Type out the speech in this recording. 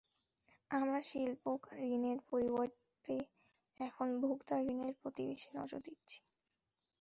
আমরা শিল্প ঋণের পরিবর্তে এখন ভোক্তা ঋণের প্রতি বেশি নজর দিচ্ছি।